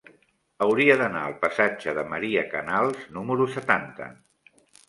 Hauria d'anar al passatge de Maria Canals número setanta.